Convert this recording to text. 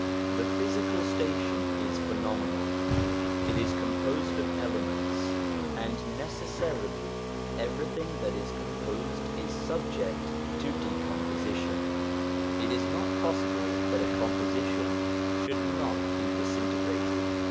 The physical station is phenomenal ; it is composed of elements, and necessarily everything that is com posed is subject to decomposition : it is not possible that a composition should not be disintegrated.